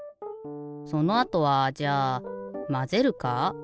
そのあとはじゃあまぜるか？